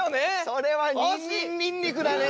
それは「にんにんにんにく」だね。